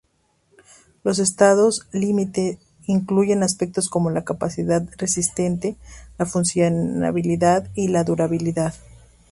Los estados límite incluyen aspectos como la capacidad resistente, la funcionalidad y la durabilidad.